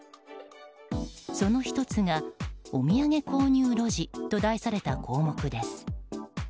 その１つが「お土産購入ロジ」と題された項目です。